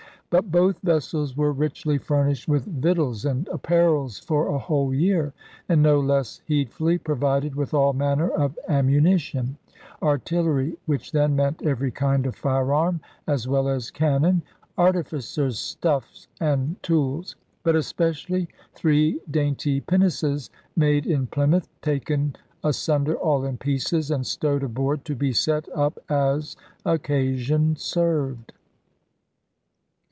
But both vessels were 'richly furnished with vic tuals and apparels for a whole year, and no less heedfully provided with all manner of ammunition, artillery [which then meant every kind of firearm as well as cannon], artificers' stuff and tools; but especially three dainty pinnaces made in Ply mouth, taken asunder all in pieces, and stowed aboard to be set up as occasion served.